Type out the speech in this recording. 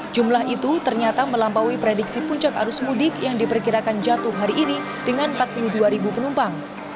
jumlah itu ternyata melampaui prediksi puncak arus mudik yang diperkirakan jatuh hari ini dengan empat puluh dua penumpang